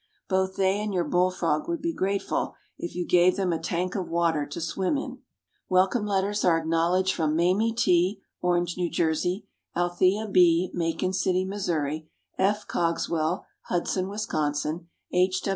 Both they and your bull frog would be grateful if you gave them a tank of water to swim in. Welcome letters are acknowledged from Mamie T., Orange, New Jersey; Althea B., Macon City, Missouri; F. Coggswell, Hudson, Wisconsin; H.